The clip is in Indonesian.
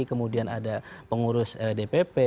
kemudian ada pengurus dpp